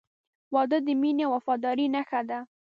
• واده د مینې او وفادارۍ نښه ده.